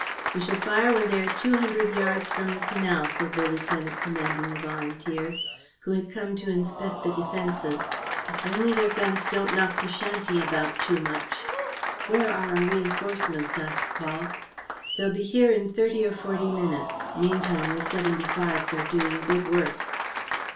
"We shall fire when they are two hundred yards from the canal," said the lieutenant commanding the volunteers, who had come to inspect the defenses. "If only their guns don't knock the shanty about too much!" "Where are our reinforcements?" asked Paul. "They'll be here in thirty or forty minutes. Meantime the seventy fives are doing good work."